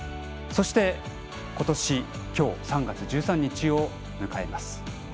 そして今年、今日３月１３日を迎えます。